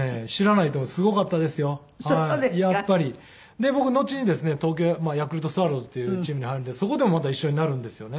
で僕のちにですね東京まあヤクルトスワローズというチームに入るんでそこでもまた一緒になるんですよね。